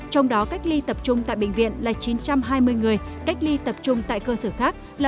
trong đó cách ly tập trung tại bệnh viện là chín trăm hai mươi người cách ly tập trung tại cơ sở khác là một mươi bốn